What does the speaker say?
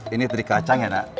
ini teri kacang ya nak